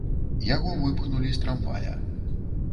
Яго выпхнулі з трамвая.